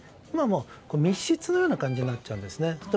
今はもう、密室のような感じになってるんですね。